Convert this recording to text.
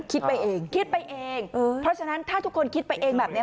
คิดไปเองคิดไปเองเพราะฉะนั้นถ้าทุกคนคิดไปเองแบบนี้